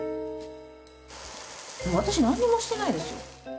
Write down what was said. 私何もしてないですよ。